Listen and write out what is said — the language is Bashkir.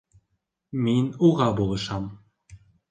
— Мин уға булышам.